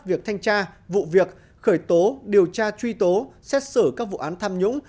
việc thanh tra vụ việc khởi tố điều tra truy tố xét xử các vụ án tham nhũng